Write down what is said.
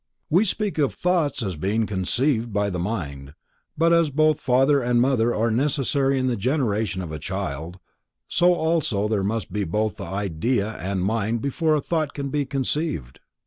We speak of "thoughts as being conceived by the mind," but as both father and mother are necessary in the generation of a child, so also there must be both idea and mind before a thought can be conceived.